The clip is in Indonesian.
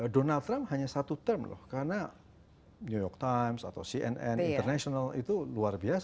donald trump hanya satu term loh karena new york times atau cnn international itu luar biasa